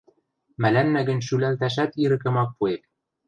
Мӓлӓннӓ гӹнь шӱлӓлтӓшӓт ирӹкӹм ак пуэп.